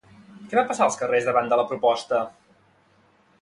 Què va passar als carrers davant de la proposta?